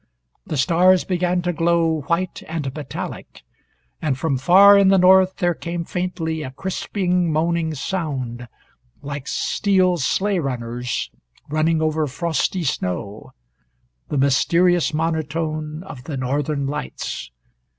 The stars began to glow white and metallic, and from far in the North there came faintly a crisping moaning sound, like steel sleigh runners running over frosty snow the mysterious monotone of the Northern Lights.